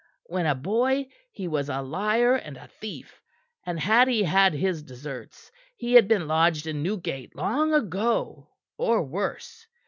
When a boy, he was a liar and a thief, and had he had his deserts he had been lodged in Newgate long ago or worse.